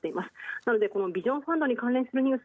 なのでビジョンファンドに関連するニュース。